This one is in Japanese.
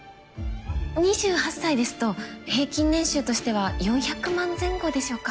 ２８歳ですと平均年収としては４００万前後でしょうか。